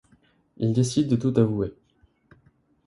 Ils décident de tout avouer.